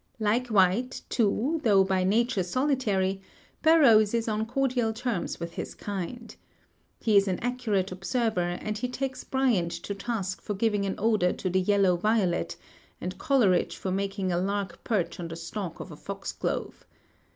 Like White, too, though by nature solitary, Burroughs is on cordial terms with his kind. He is an accurate observer, and he takes Bryant to task for giving an odor to the yellow violet, and Coleridge for making a lark perch on the stalk of a foxglove.